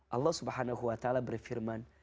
allah swt berfirman